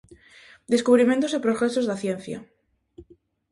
Descubrimentos e progresos da ciencia.